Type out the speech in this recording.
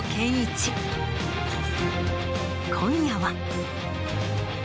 今夜は。